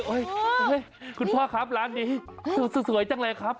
คุณพ่อครับร้านนี้สวยจังเลยครับ